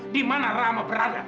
di mana rama berada